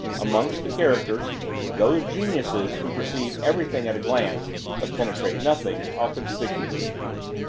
Amongst the characters, those geniuses, who perceive everything at a glance, but penetrate nothing, are conspicuous.